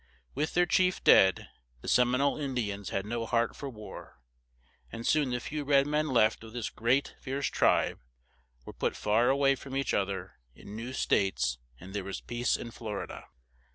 With their chief dead, the Sem i nole In di ans had no heart for war; and soon the few red men left of this great, fierce tribe were put far a way from each oth er, in new states, and there was peace in Flor i da.